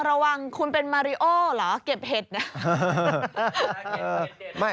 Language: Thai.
คุณระว่างคุณเป็นมาริโอหรอเก็บแฮทเนี่ย